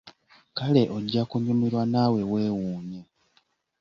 Kale ojja kunyumirwa naawe weewuunye.